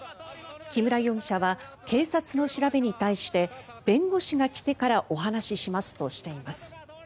木村容疑者は警察の調べに対して弁護士が来てからお話ししますとしています。